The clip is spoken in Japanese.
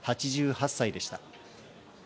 ８８歳でした。